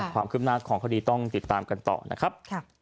ความคืบหน้าของคดีต้องติดตามกันต่อนะครับ